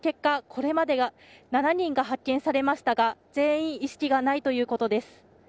これまで７人が発見されましたが全員意識がないということです。